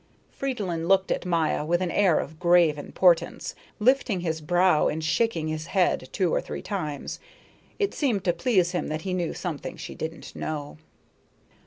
Fridolin looked at Maya with an air of grave importance, lifting his brows and shaking his head two or three times. It seemed to please him that he knew something she didn't know.